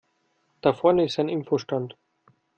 Da vorne ist ein Info-Stand.